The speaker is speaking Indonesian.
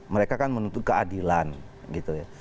mereka kan menuntut keadilan gitu ya